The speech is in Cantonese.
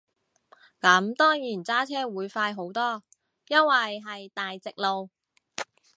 咁當然揸車會快好多，因為係大直路